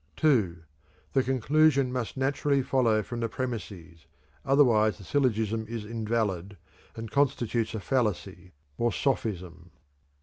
II. The conclusion must naturally follow from the premises, otherwise the syllogism is invalid and constitutes a fallacy or sophism.